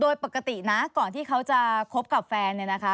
โดยปกตินะก่อนที่เขาจะคบกับแฟนเนี่ยนะคะ